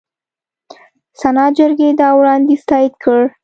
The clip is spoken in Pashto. سنا جرګې دا وړاندیز تایید کړ.